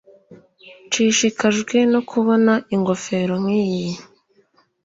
Nshishikajwe no kubona ingofero nkiyi